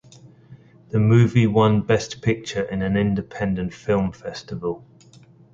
The movie won "Best Picture" in an independent film festival.